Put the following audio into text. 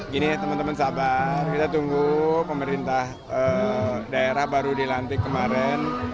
gini teman teman sabar kita tunggu pemerintah daerah baru dilantik kemarin